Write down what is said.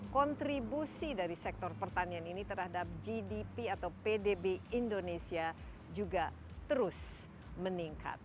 kontribusi dari sektor pertanian ini terhadap gdp atau pdb indonesia juga terus meningkat